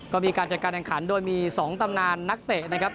ก็มีการจัดการแข่งขันโดยมี๒ตำนานนักเตะนะครับ